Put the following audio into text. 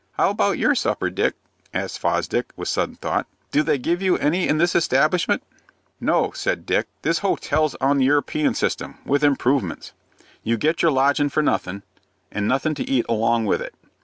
"How about your supper, Dick?" asked Fosdick, with sudden thought. "Do they give you any in this establishment?" "No," said Dick; "this hotel's on the European system, with improvements. You get your lodgin' for nothing, and nothing to eat along with it.